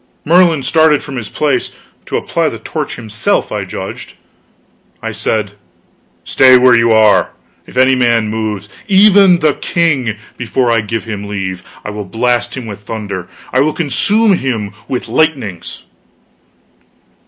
Merlin started from his place to apply the torch himself, I judged. I said: "Stay where you are. If any man moves even the king before I give him leave, I will blast him with thunder, I will consume him with lightnings!"